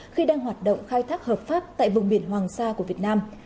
khi đang hoạt động khai thác hợp pháp tại vùng biển hoàng sa của việt nam